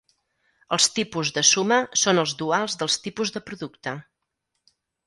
Els tipus de suma són els duals dels tipus de producte.